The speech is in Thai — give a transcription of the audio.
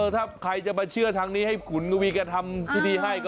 ถ้าใครจะมาเชื่อทางนี้ให้ขุนกวีแกทำพิธีให้ก็